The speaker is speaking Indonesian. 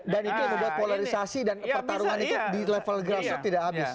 dan itu untuk polarisasi dan pertarungan itu di level grassroot tidak habis